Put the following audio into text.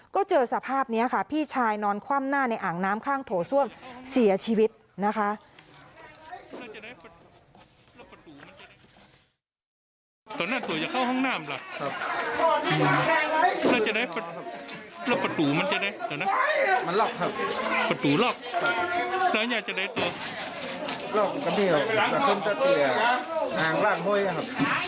ก็เจอสภาพนี้ค่ะพี่ชายนอนคว่ำหน้าในอ่างน้ำข้างโถส้วมเสียชีวิตนะคะ